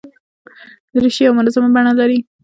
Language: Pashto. دریشي یو منظمه بڼه لري.